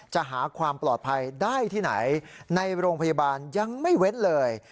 จะหาความปลอดภัยได้ที่ไหนในโรงพยาบาลยังไม่เว้นเลย